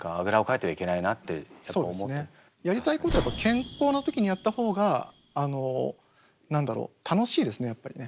やりたいことやっぱ健康の時にやった方が何だろう楽しいですねやっぱりね。